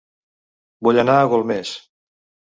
Vull anar a Golmés